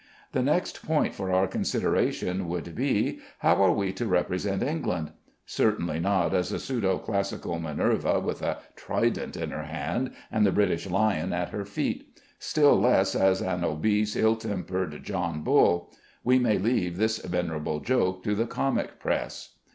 The next point for our consideration would be, 'How are we to represent England?' Certainly not as a pseudo classical Minerva with a trident in her hand, and the British lion at her feet; still less as an obese, ill tempered John Bull. We may leave this venerable joke to the comic press.